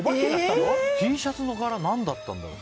Ｔシャツの柄何だったんだろう？